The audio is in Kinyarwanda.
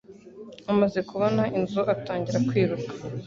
Amaze kubona inzu atangira kwiruka